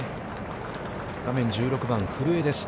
画面は１６番、古江です。